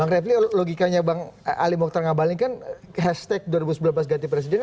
bang refli logikanya bang ali mokhtar ngabalin kan hashtag dua ribu sembilan belas ganti presiden